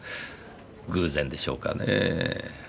偶然でしょうかねぇ。